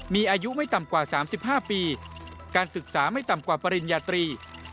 มีอายุไม่ต่ำกว่า๓๕ปีการศึกษาไม่ต่ำกว่าปริญญาตรี